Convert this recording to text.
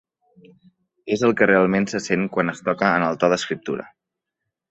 És el que realment se sent quan es toca en el to d'escriptura.